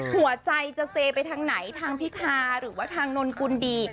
หัวใจจะเซไปทางไหนทางพิธาหรือว่าทางนนกุลดี